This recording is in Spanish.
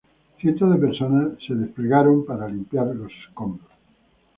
Cientos de personas fueron desplegadas para limpiar escombros.